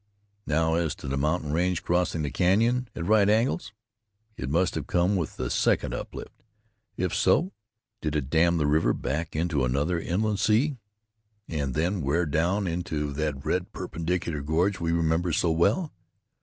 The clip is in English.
Now as to the mountain range crossing the canyon at right angles. It must have come with the second uplift. If so, did it dam the river back into another inland sea, and then wear down into that red perpendicular gorge we remember so well?